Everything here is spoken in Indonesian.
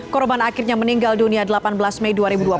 korban akhirnya meninggal dunia delapan belas mei dua ribu dua puluh